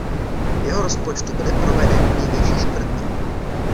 V jeho rozpočtu byly provedeny největší škrty.